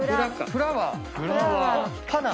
「フラワー」！